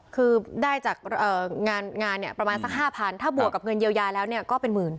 คือได้จากงานประมาณสักห้าพันถ้าบวกกับเงินเยียวยาแล้วเนี่ยก็เป็นหมื่น